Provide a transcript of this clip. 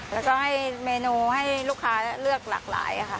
แล้วก็ให้เมนูให้ลูกค้าเลือกหลากหลายค่ะ